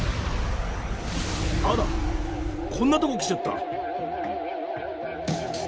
あらこんなとこ来ちゃった！